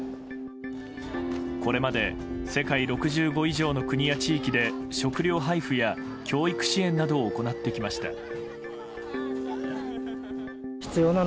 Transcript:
これまで世界６５以上の国や地域で食料配布や教育支援などを行ってきました。